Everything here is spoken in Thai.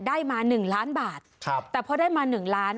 ได้มาหนึ่งล้านบาทครับแต่พอได้มาหนึ่งล้าน